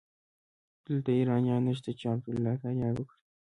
دلته ايرانيان نشته چې عبدالله کامياب کړي.